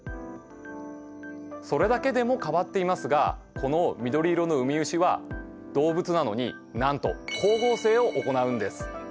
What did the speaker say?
それだけでも変わっていますがこの緑色のウミウシは動物なのになんと光合成を行うんです。